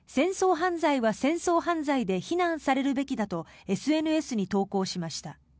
犯罪は戦争犯罪で非難されるべきだとＳＮＳに投稿しました。